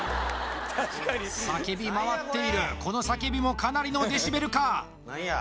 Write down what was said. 叫びまわっているこの叫びもかなりのデシベルか何や？